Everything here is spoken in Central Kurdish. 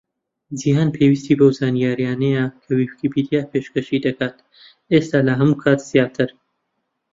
جیهان پێویستی بەو زانیاریانەیە کە ویکیپیدیا پێشکەشی دەکات، ئێستا لە هەموو کات زیاتر.